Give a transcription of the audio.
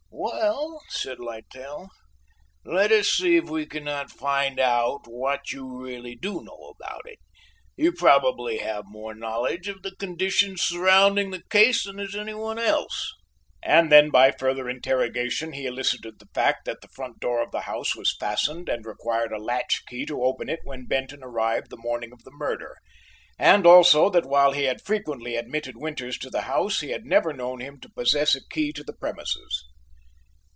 "Well," said Littell; "let us see if we cannot find out what you really do know about it; you probably have more knowledge of the conditions surrounding the case than has any one else." And then, by further interrogation, he elicited the fact that the front door of the house was fastened and required a latch key to open it when Benton arrived the morning of the murder, and also that while he had frequently admitted Winters to the house, he had never known him to possess a key to the premises.